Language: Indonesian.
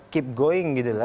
keep going gitu